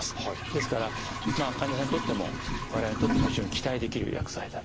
ですから患者さんにとっても我々にとっても非常に期待できる薬剤である。